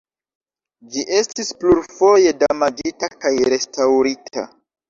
Ĝi estis plurfoje damaĝita kaj restaŭrita.